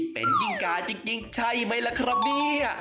เป็นยิ่งกาจริงใช่ไหมล่ะครับเนี่ย